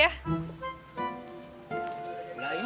udah ya ruh masuk dulu ya